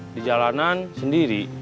di jalanan sendiri